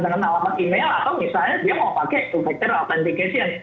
apakah dengan alamat email atau misalnya dia mau pakai ufactor authentication